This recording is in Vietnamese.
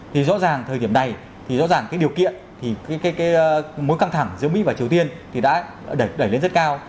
thì rõ ràng thời điểm này thì rõ ràng cái điều kiện thì cái mối căng thẳng giữa mỹ và triều tiên thì đã đẩy lên rất cao